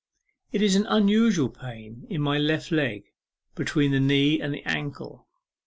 It is an unusual pain in my left leg, between the knee and the ankle.